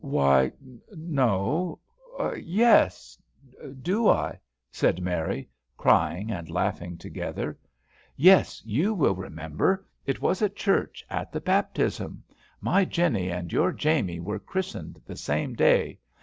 "Why, no yes do I?" said Mary, crying and laughing together. "Yes, you will remember, it was at church, at the baptism. My Jennie and your Jamie were christened the same day.